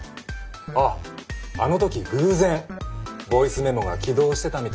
あっあの時偶然ボイスメモが起動してたみたいで。